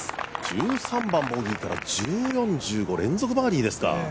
１３番ボギーから１４、１５、連続バーディーですか。